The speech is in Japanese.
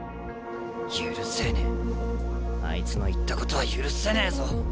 許せねえあいつの言ったことは許せねえぞ！